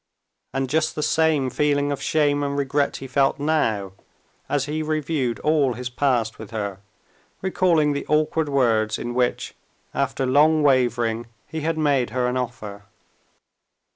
And just the same feeling of shame and regret he felt now, as he reviewed all his past with her, recalling the awkward words in which, after long wavering, he had made her an offer.